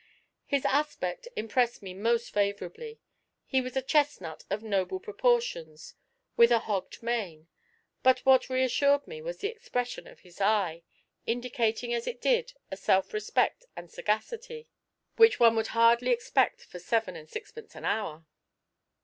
His aspect impressed me most favourably. He was a chestnut of noble proportions, with a hogged mane; but what reassured me was the expression of his eye, indicating as it did a self respect and sagacity which one would hardly expect for seven and sixpence an hour.